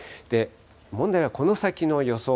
問題はこの先の予想